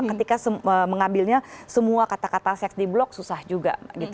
ketika mengambilnya semua kata kata seks diblok susah juga